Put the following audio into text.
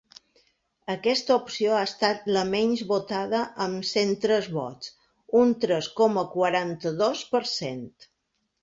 Aquesta opció ha estat la menys votada amb cent tres vots, un tres coma quaranta-dos per cent.